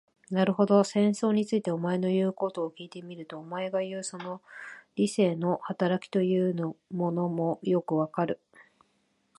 なるほど、戦争について、お前の言うことを聞いてみると、お前がいう、その理性の働きというものもよくわかる。